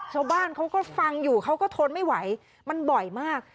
ชาวบ้านเขาก็ฟังอยู่เขาก็ทนไม่ไหวมันบ่อยมาก